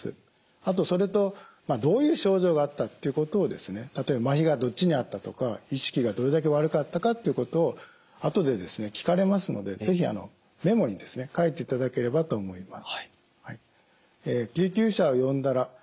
あとそれとどういう症状があったということを例えばまひがどっちにあったとか意識がどれだけ悪かったかということを後で聞かれますので是非メモに書いていただければと思います。